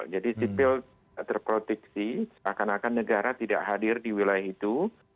jadi sipil terproteksi seakan akan negara tidak hadir di wilayah itu